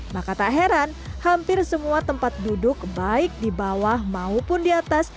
maka tak heran hampir semua tempat duduk baik di bawah maupun di atas